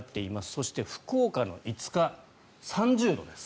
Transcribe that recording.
そして、福岡の５日３０度です。